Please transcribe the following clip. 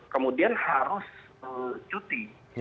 kemudian harus cuti